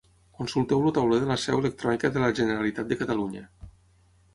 Consulteu el Tauler de la Seu electrònica de la Generalitat de Catalunya.